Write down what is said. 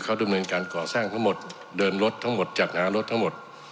เขาดำเนินการก่อสร้างทั้งหมดเดินรถทั้งหมดจัดหารถทั้งหมด